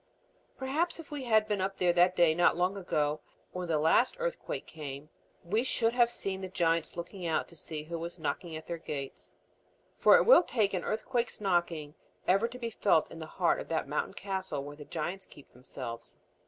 Perhaps if we had been up here that day not long ago when the last earthquake came, we should have seen the giants looking out to see who was knocking at their gates. For it will take an earthquake's knocking ever to be felt in the heart of that mountain castle where the giants keep themselves.